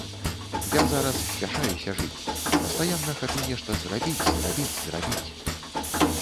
Я зараз спяшаюся жыць, пастаянна хачу нешта зрабіць, зрабіць, зрабіць.